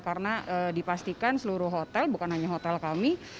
karena dipastikan seluruh hotel bukan hanya hotel kami